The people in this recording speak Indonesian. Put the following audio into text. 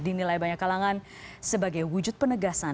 dinilai banyak kalangan sebagai wujud penegasan